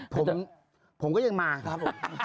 ผมผมก็ยังมาครับผม